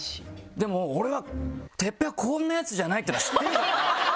でも俺は徹平はこんなやつじゃないっていうのを知ってるから。